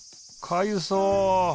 かゆそう。